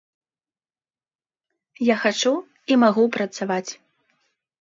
Я хачу і магу працаваць.